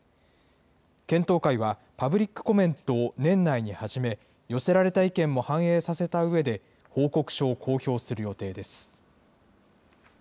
検討会は、パブリックコメントを年内に始め、寄せられた意見も反映させたうえで、報告書を公表する予定です。